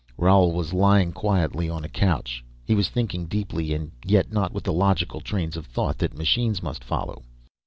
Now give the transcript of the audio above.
Roal was lying quietly on a couch. He was thinking deeply, and yet not with the logical trains of thought that machines must follow.